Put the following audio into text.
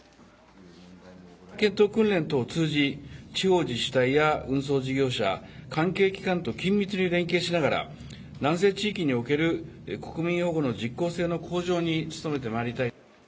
検討、訓練等を通じ、地方自治体や運送事業者、関係機関と緊密に連携しながら、南西地域における国民保護の実効性の向上に努めてまいりたい。